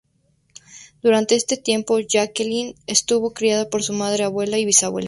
Durante este tiempo, Jacqueline estuvo criada por su madre, abuela y bisabuela.